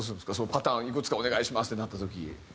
パターンいくつかお願いします！ってなった時。